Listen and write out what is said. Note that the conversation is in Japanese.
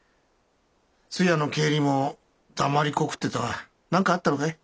通夜の帰りも黙りこくってたが何かあったのかい？